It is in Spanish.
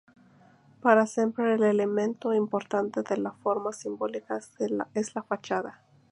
Para Semper el elemento portante de la forma simbólica es la fachada.